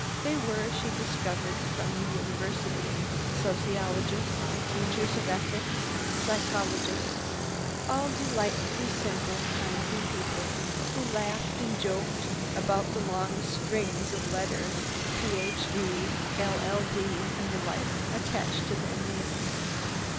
They were, she discovered, from the University—sociologists, teachers of ethics, psychologists—all delightfully simple, kindly people who laughed and joked about the long strings of letters Ph.D., LL.D. and the like, attached to their names.